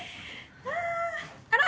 あら？